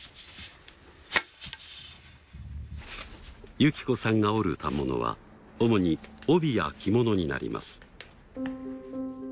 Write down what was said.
雪子さんが織る反物は主に帯や着物になります。